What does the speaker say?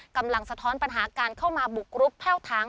กำลังสะท้อนปัญหาการเข้ามาบุกรุกแพ่วถาง